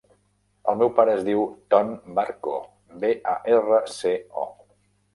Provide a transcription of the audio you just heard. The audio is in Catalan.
El meu pare es diu Ton Barco: be, a, erra, ce, o.